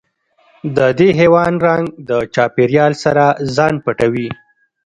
د دې حیوان رنګ د چاپېریال سره ځان پټوي.